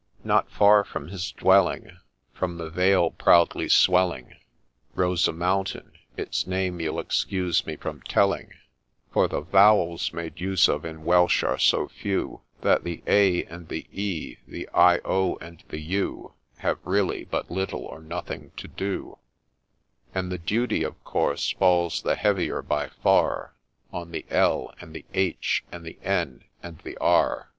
Not far from his dwelling, From the vale proudly swelling, Rose a mountain ; its name you'll excuse me from telling, For the vowels made use of in Welsh are so few That the A and the E, the I, O, and the U, Have really but little or nothing to do ; And the duty, of course, falls the heavier by far, On the L, and the H, and the N, and the R.